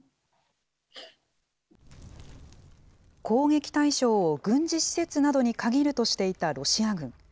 攻撃対象を軍事施設などにかぎるとしていたロシア軍。